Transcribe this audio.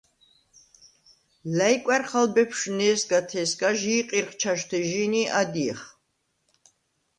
ლა̈ჲკვა̈რხ ალ ბეფშვ ნე̄სგათე̄სგა, ჟი იყირხ ჩაჟვთეჟი̄ნ ი ადჲეხ.